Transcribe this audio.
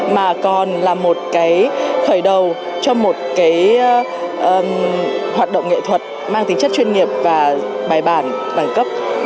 mà còn là một cái khởi đầu cho một hoạt động nghệ thuật mang tính chất chuyên nghiệp và bài bản bằng cấp